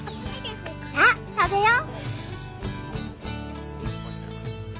さあ食べよ！